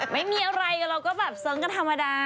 ไม่มีอะไรเราก็แบบเสิร์งกันธรรมดา